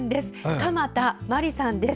鎌田真理さんです。